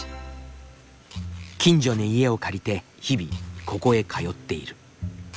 近所に家を借りて日々ここへ通っている。